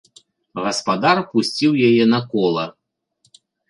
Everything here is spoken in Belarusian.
Гаспадар пусціў яе на кола.